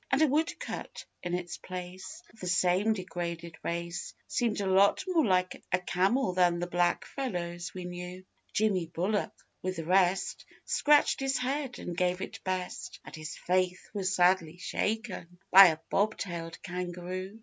And a woodcut, in its place, of the same degraded race Seemed a lot more like a camel than the black fellows we knew; Jimmy Bullock, with the rest, scratched his head and gave it best; But his faith was sadly shaken by a bobtailed kangaroo.